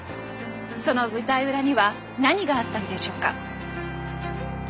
その舞台裏には何があったのでしょうか。